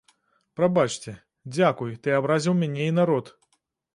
Прабачце, дзякуй, ты абразіў мяне і народ.